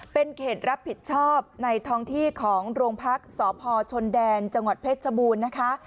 เป็นเขตรับผิดชอบในท้องที่ของโรงพักษ์สพชนแดนจังหวัดเพชรชบูรณ์นะคะ